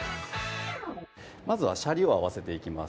まずはシャリを合わせていきます